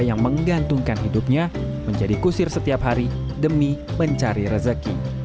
yang menggantungkan hidupnya menjadi kusir setiap hari demi mencari rezeki